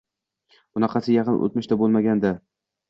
Bunaqasi yaqin o‘tmishda bo‘lmagandi